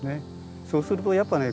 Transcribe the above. そうするとやっぱね